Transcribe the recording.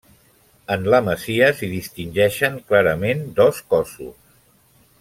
En la masia s'hi distingeixen clarament dos cossos.